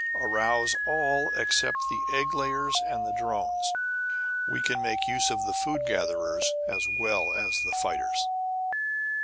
Arouse all except the egg layers and the drones. We can make use of the food gatherers as well as the fighters."